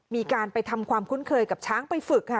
มีการไปทำความคุ้นเคยกับช้างไปฝึกค่ะ